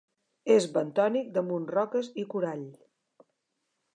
És bentònic damunt roques i corall.